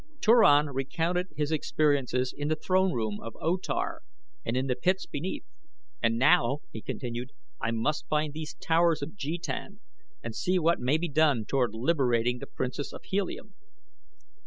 Turan recounted his experiences in the throne room of O Tar and in the pits beneath, "and now," he continued, "I must find these Towers of Jetan and see what may be done toward liberating the Princess of Helium."